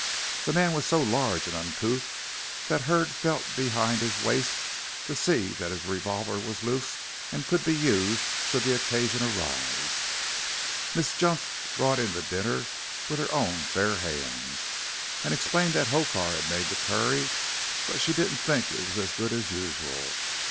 The man was so large and uncouth that Hurd felt behind his waist to see that his revolver was loose and could be used should occasion arise. Miss Junk brought in the dinner with her own fair hands, and explained that Hokar had made the curry, but she didn't think it was as good as usual.